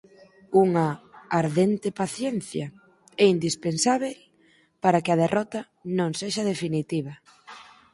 Unha "ardente paciencia" é indispensábel para que a derrota non sexa definitiva.